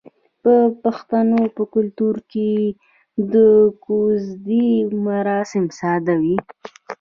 د پښتنو په کلتور کې د کوژدې مراسم ساده وي.